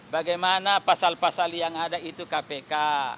bagaimana pasal pasal yang ada itu kpk